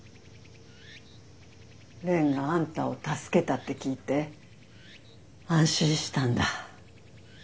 蓮があんたを助けたって聞いて安心したんだ。